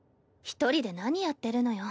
１人で何やってるのよ？